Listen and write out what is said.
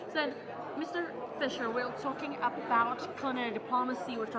jadi mr fischer kita berbicara tentang diplomasi kuliner